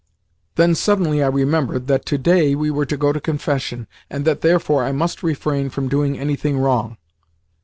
Then suddenly I remembered that to day we were to go to confession, and that therefore I must refrain from doing anything wrong.